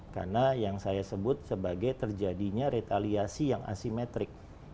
karena yang saya sebut sebagai terjadinya retaliasi yang asimetrik